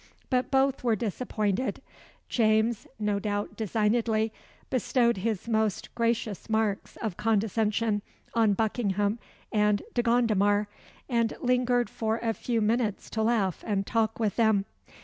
But both were disappointed. James, no doubt, designedly, bestowed his most gracious marks of condescension on Buckingham and De Gondomar, and lingered for a few minutes to laugh and talk with them.